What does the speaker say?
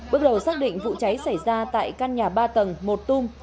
bước đầu xác định vụ cháy xảy ra tại căn nhà ba tầng một tung